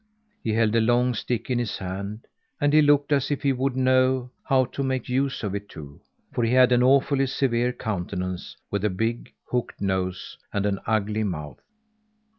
He held a long stick in his hand, and he looked as if he would know how to make use of it, too for he had an awfully severe countenance, with a big, hooked nose and an ugly mouth.